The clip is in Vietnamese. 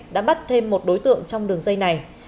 đã bắt thêm một đối tượng trong đường dây này